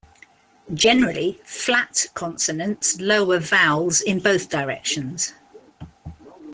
Generally, "flat" consonants lower vowels in both directions.